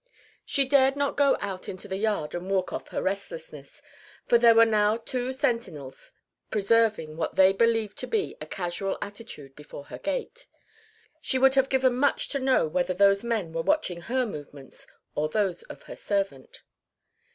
She dared not go out into the yard and walk off her restlessness, for there were now two sentinels preserving what they believed to be a casual attitude before her gate. She would have given much to know whether those men were watching her movements or those of her servant.